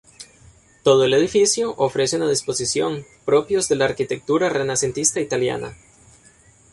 Todo el edificio ofrece una disposición propios de la arquitectura renacentista italiana.